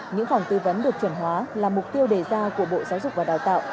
những phòng tư vấn được chuẩn hóa là mục tiêu đề ra của bộ giáo dục và đào tạo